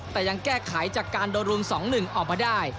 แต่ยังแก้ไขจากการโดนรุม๒๑ออกมาได้